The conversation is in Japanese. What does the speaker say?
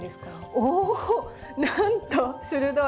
おっなんと鋭い！